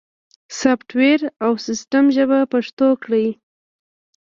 سافت ویر او سیستم ژبه پښتو کړئ